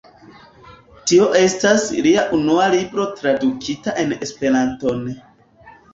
Tio estas lia unua libro tradukita en Esperanton.